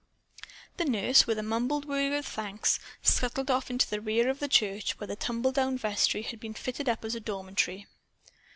The nurse, with a mumbled word of thanks, scuttled off into the rear of the church, where the tumbledown vestry had been fitted up as a dormitory.